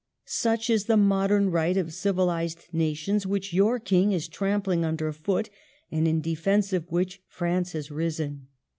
Such is the modern right of civilised nations, which your king is trampling under foot, and in defence of which France has risen.